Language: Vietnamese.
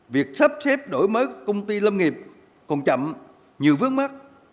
việc sắp xếp đổi mới công ty lâm nghiệp còn chậm nhiều vướng mắt